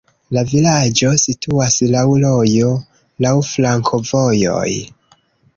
La vilaĝo situas laŭ rojo, laŭ flankovojoj.